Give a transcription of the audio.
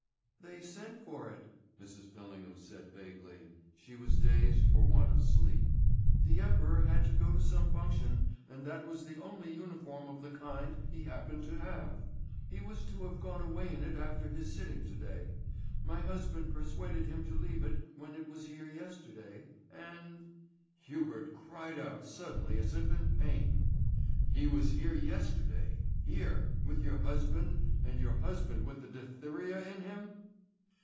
"They sent for it," Mrs. Fillingham said vaguely. She was dazed for want of sleep. "The Emperor had to go to some function, and that was the only uniform of the kind he happened to have. He was to have gone away in it after his sitting to day. My husband persuaded him to leave it when it was here yesterday, and " Hubert had cried out suddenly as if in pain. "He was here yesterday here, with your husband, and your husband with the diphtheria on him?"